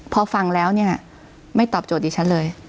พอฟังแล้วเนี่ยไม่ตอบโจทย์ดิฉันเลย